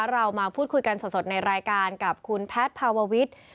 เรามาพูดคุยกันสดในรายการกับคุณแพทย์ภาววิทย์